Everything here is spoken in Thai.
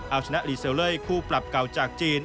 เอาชนะรีเซลเล่คู่ปรับเก่าจากจีน